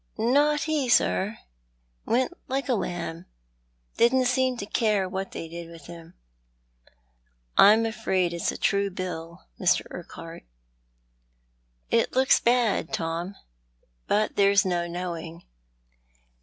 " Not he, sir — went like a lamb — didn't seem to care what they did with him. I'm afraid it's a true bill, Mr. Urquhart." " It looks bad, Tom ; but there's no knowing."